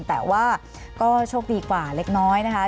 แต่ว่าก็โชคดีกว่าเล็กน้อยนะคะ